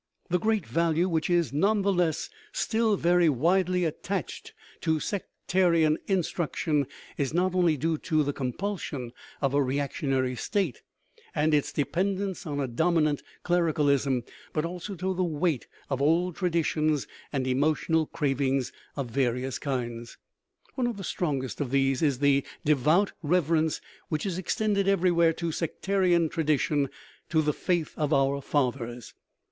The great value which is, none the less, still very 33 THE RIDDLE OF THE UNIVERSE widely attached to sectarian instruction is not only due to the compulsion of a reactionary state and its depen dence on a dominant clericalism, but also to the weight of old traditions and " emotional cravings " of various kinds. One of the strongest of these is the devout rev erence which is extended everywhere to sectarian tra dition, to the "faith of our fathers."